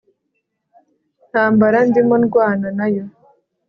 ntambara ndimo ndwana nayo